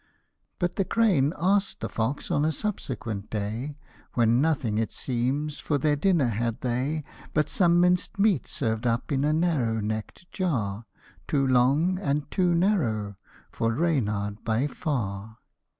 But the crane ask'd the fox on a subsequent day, When nothing, it seems, for their dinner had they But some minced meat served up in a narrow neck'd jar ; Too long, and too narrow, for Reynard by far.